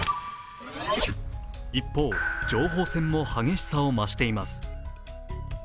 一方、情報戦も激しさを増しています。